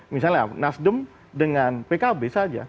misalnya nasdem dengan pkb saja